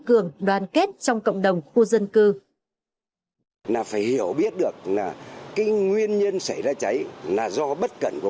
cường đoàn kết trong cộng đồng khu dân cư